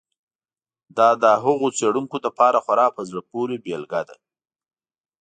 دا د هغو څېړونکو لپاره خورا په زړه پورې بېلګه ده.